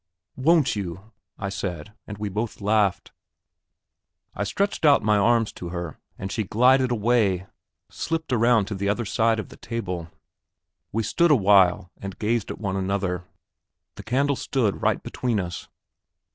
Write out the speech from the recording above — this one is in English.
"Won't you?" I said, and we both laughed. I stretched out my arms to her, and she glided away; slipped round to the other side of the table. We stood a while and gazed at one another; the candle stood right between us.